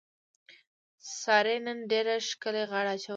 سارې نن ډېره ښکلې غاړه اچولې ده.